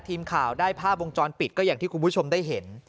ทีมข่าวได้ภาพวงจรปิดก็อย่างที่คุณผู้ชมได้เห็น